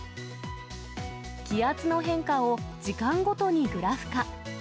気圧の変化を時間ごとにグラフ化。